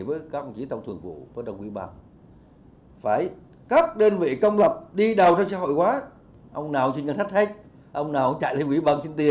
hải phòng nói đơn vị công lập đi đầu trong xã hội quá thinktank sẽ gây bất kỳ nguy hiểm